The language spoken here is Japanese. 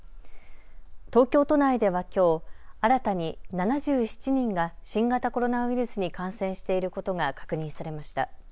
東京都内ではきょう新たに７７人が新型コロナウイルスに感染していることが確認されました。